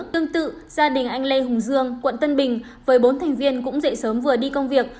tương tự gia đình anh lê hùng dương quận tân bình với bốn thành viên cũng dậy sớm vừa đi công việc